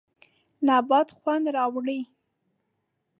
نبات خوند راوړي.